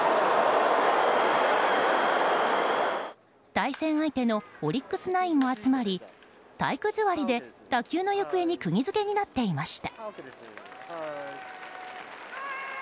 対戦相手のオリックスナインも集まり体育座りで打球の行方に釘づけになっていました。